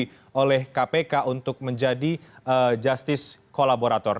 dan kedua terdakwa ini juga mencari kemampuan untuk menjadi justice kolaborator